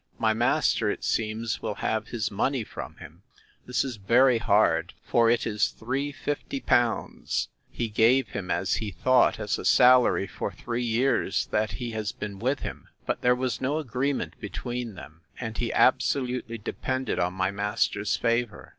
My master, it seems, will have his money from him. This is very hard; for it is three fifty pounds, he gave him, as he thought, as a salary for three years that he has been with him: but there was no agreement between them; and he absolutely depended on my master's favour.